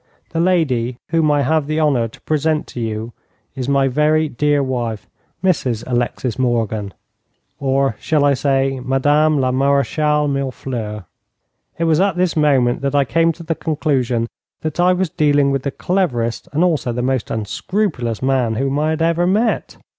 The lady whom I have the honour to present to you is my very dear wife, Mrs Alexis Morgan or shall I say Madame la Marèchale Millefleurs?' It was at this moment that I came to the conclusion that I was dealing with the cleverest, and also the most unscrupulous, man whom I had ever met.